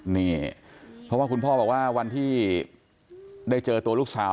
นี่เพราะว่าคุณพ่อบอกว่าวันที่ได้เจอตัวลูกสาว